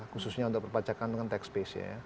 khususnya untuk perpacakan dengan tax base nya